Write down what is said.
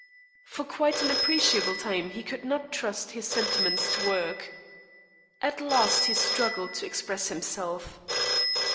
For quite an appreciable time he could not trust his sentiments to words. At last he struggled to express himself.